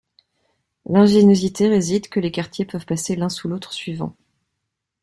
L'ingéniosité réside que les quartiers peut passer l'un sous l'autre suivant.